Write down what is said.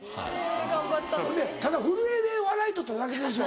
ほんでただ震えで笑い取っただけでしょ？